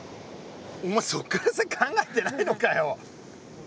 お前そっから先考えてないのかよ！